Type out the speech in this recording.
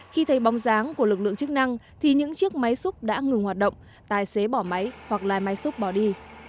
khi thấy bóng dáng của lực lượng chức năng thì những chiếc máy xúc đã ngừng hoạt động tài xế bỏ máy hoặc lái máy xúc bỏ đi